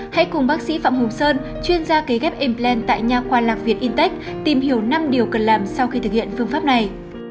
hãy cùng bác sĩ phạm hùng sơn chuyên gia kế ghép impland tại nhà khoa lạc việt intec tìm hiểu năm điều cần làm sau khi thực hiện phương pháp này